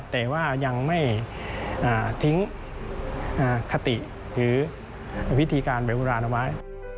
แต่ว่ายังไม่ทิ้งคติหรือวิธีการแบบโบราณเอาไว้